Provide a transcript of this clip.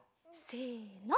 せの。